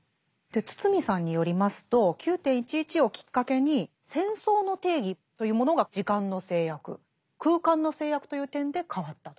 堤さんによりますと９．１１をきっかけに戦争の定義というものが「時間の制約」「空間の制約」という点で変わったと。